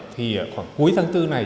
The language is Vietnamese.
thì khoảng cuối tháng bốn này